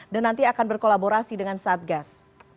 dan nanti akan berkolaborasi dengan satgas